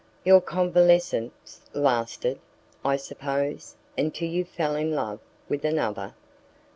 "Your convalescence lasted, I suppose, until you fell in love with another."